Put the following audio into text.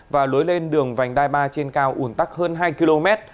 và lối lên đường vành đai ba trên cao ủn tắc hơn hai km